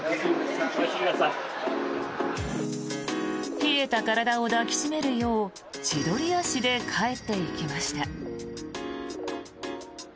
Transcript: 冷えた体を抱き締めるよう千鳥足で帰っていきました。